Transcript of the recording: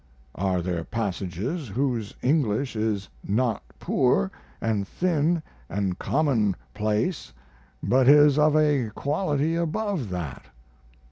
Are there passages whose English is not poor & thin & commonplace, but is of a quality above that?